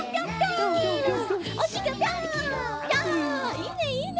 いいねいいね！